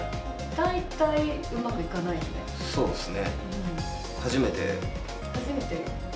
大体うまくいかないよね。